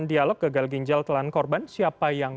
dialog gagal ginjal telan korban siapa yang